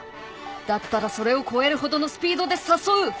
だったらそれを超えるほどのスピードで誘う！